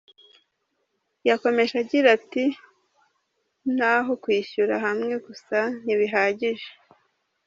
Yakomeje agira ati “Naho kwishyira hamwe gusa ntibihagije.